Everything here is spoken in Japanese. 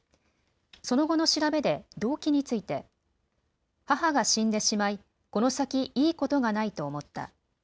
その後の調べで動機について母が死んでしまい、この先いいことがないと思った。